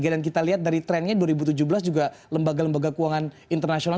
dan kita lihat dari trennya dua ribu tujuh belas juga lembaga lembaga keuangan internasional